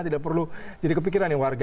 tidak perlu jadi kepikiran nih warga